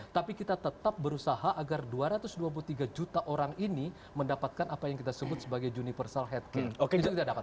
tapi kita tetap berusaha agar dua ratus dua puluh tiga juta orang ini mendapatkan apa yang kita sebut sebagai universal headcast